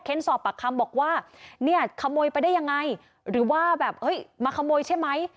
สอบปากคำบอกว่าเนี่ยขโมยไปได้ยังไงหรือว่าแบบเอ้ยมาขโมยใช่ไหม